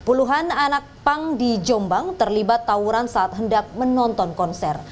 puluhan anak pang di jombang terlibat tawuran saat hendak menonton konser